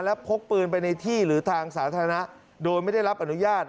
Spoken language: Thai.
และพกปืนไปในที่หรือทางสาธารณะโดยไม่ได้รับอนุญาต